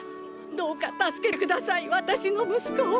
どうか助けて下さい私の息子を！